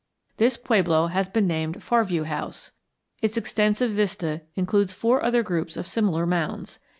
This pueblo has been named Far View House. Its extensive vista includes four other groups of similar mounds.